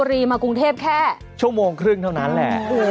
รถติดมากนะ